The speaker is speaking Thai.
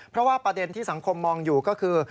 เพราะว่าประเด็นที่สังคมมองอยู่ก็คือ